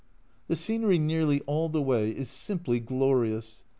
The scenery nearly all the way is simply glorious.